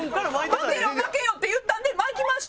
「巻けよ巻けよ」って言ったんで巻きました！